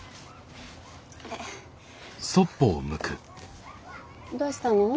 えっどうしたの？